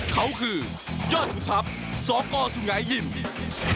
เขาคือยอดฑุตรัพย์สกสุงัยยินทร์